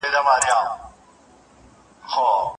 بس په خیالونو کي مي اوسه پر ما ښه لګېږې